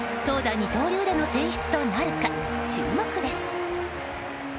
二刀流での選出となるか注目です。